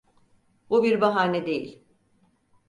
Bu bir bahane değil.